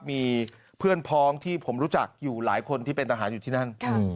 มีเพื่อนพ้องที่ผมรู้จักอยู่หลายคนที่เป็นทหารอยู่ที่นั่น